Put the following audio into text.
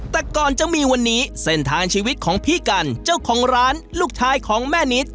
แต่ก่อนจะมีวันนี้เส้นทางชีวิตของพี่กันเจ้าของร้านลูกชายของแม่นิด